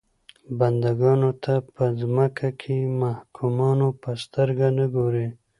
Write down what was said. بنده ګانو ته په ځمکه کې محکومانو په سترګه نه ګوري.